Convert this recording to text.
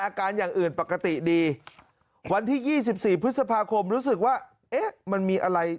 อย่างอื่นปกติดีวันที่๒๔พฤษภาคมรู้สึกว่าเอ๊ะมันมีอะไร